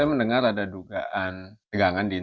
kita mendengar ada dugaan ketegangan di dalam pdip ini